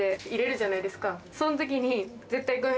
その時に。